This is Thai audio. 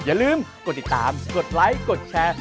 อย่าลืมกดติดตามกดไลค์กดแชร์